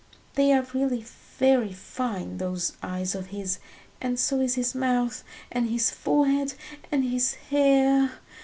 They are really very fine, those eyes of his, and so is his mouth, and his forehead and his hair.